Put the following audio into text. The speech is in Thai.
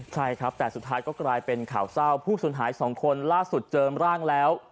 ใช่ครับแต่สุดท้ายก็กลายเป็นข่าวเศร้าผู้สูญหายสองคนล่าสุดเจอร่างแล้ว